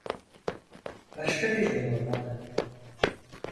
Başka bir yol olmalı.